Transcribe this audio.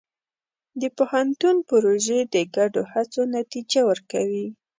د پوهنتون پروژې د ګډو هڅو نتیجه ورکوي.